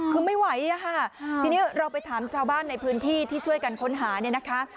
คือไม่ไหวอะค่ะทีนี้เราไปถามชาวบ้านในพื้นที่ที่ช่วยกันค้นหาเนี่ยนะคะ